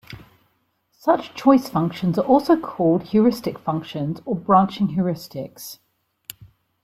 Such choice functions are also called heuristic functions or branching heuristics.